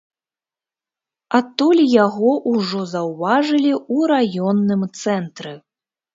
Адтуль яго ўжо заўважылі ў раённым цэнтры.